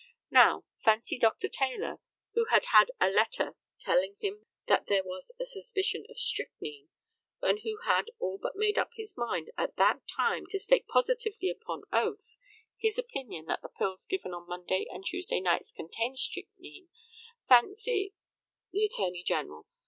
Now, fancy Dr. Taylor, who had had a letter telling him that there was a suspicion of strychnine, and who had all but made up his mind at that time to state positively upon oath his opinion that the pills given on Monday and Tuesday nights contained strychnine; fancy THE ATTORNEY GENERAL.